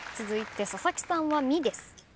続いて佐々木さんは「み」です。